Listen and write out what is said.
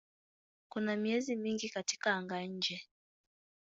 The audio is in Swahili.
Kuna miezi mingi katika anga-nje.